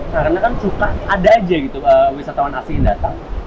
karena kan suka ada aja gitu wisatawan asing datang